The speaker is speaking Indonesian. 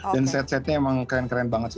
dan set setnya emang keren keren banget sih